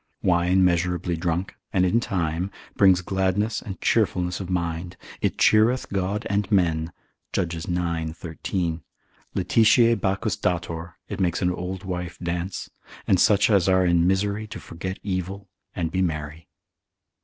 Wine measurably drunk, and in time, brings gladness and cheerfulness of mind, it cheereth God and men, Judges ix. 13. laetitiae Bacchus dator, it makes an old wife dance, and such as are in misery to forget evil, and be merry.